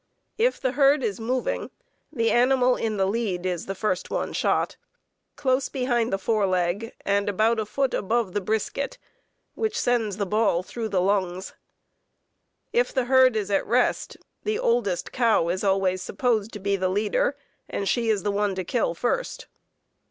If the herd is moving, the animal in the lead is the first one shot, close behind the fore leg and about a foot above the brisket, which sends the ball through the lungs. If the herd is at rest, the oldest cow is always supposed to be the leader, and she is the one to kill first.